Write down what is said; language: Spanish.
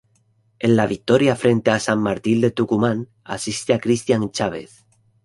En la victoria frente a San Martín de Tucumán, asiste a Cristian Chávez.